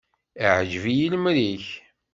Iɛǧeb-iyi lemri-k.